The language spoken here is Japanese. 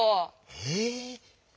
え！